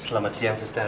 selamat siang sister